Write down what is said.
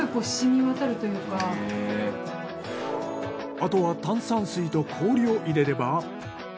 あとは炭酸水と氷を入れれば。